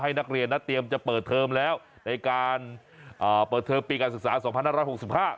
ให้นักเรียนนักเตรียมจะเปิดเทิมแล้วในการเปิดเทิมปีการศึกษา๒๕๖๕